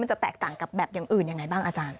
จะแตกต่างกับแบบอย่างอื่นยังไงบ้างอาจารย์